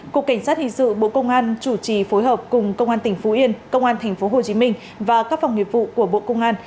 cục cảnh sát hình sự bộ công an chủ trì phối hợp cùng công an tỉnh phú yên công an tp hcm và các phòng nghiệp vụ của bộ công an